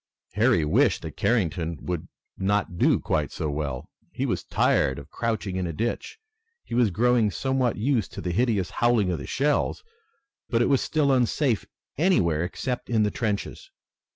Harry wished that Carrington would not do quite so well. He was tired of crouching in a ditch. He was growing somewhat used to the hideous howling of the shells, but it was still unsafe anywhere except in the trenches.